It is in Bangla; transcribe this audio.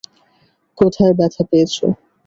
কোথায় ব্যথা পেয়েছো?